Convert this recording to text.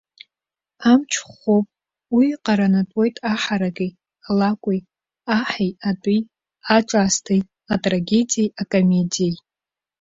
Амч ӷәӷәоуп, уи еиҟаранатәуеит аҳараки, алакәи, аҳи атәи, аҿаасҭеи, атрагедиеи акомедиеи.